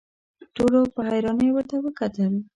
ټولو په حيرانۍ ورته وکتل.